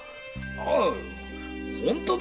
ああ本当だよ！